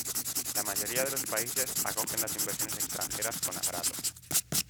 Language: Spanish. La mayoría de los países acogen las inversiones extranjeras con agrado.